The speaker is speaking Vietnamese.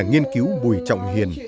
nghiên cứu bùi trọng hiền